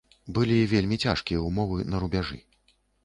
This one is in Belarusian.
Былі вельмі цяжкія ўмовы на рубяжы.